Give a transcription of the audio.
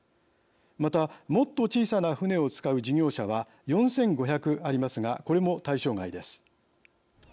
またもっと小さな船を使う事業者は４５００ありますがこれも対象外です。